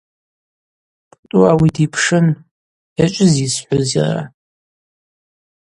Птӏу ауи дипшын: – Йачӏвызйа йсхӏвуз йара?